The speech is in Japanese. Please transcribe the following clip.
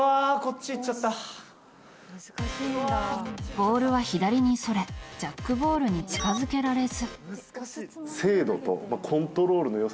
ボールは左にそれジャックボールに近づけられず。